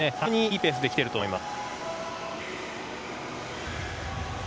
非常にいいペースできていると思います。